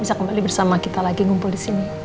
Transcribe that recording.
bisa kembali bersama kita lagi ngumpul disini